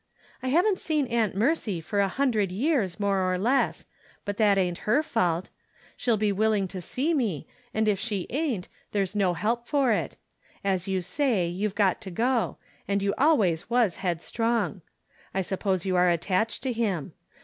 I haven't seen Aunt Mercy for a hundred years, more or less ; but that ain't her fault. She'll be willing to see me, and if she ain't, there's no help for it : for you say you've got to go ; and you al ways was headstrong. I s'pose you are attached to him.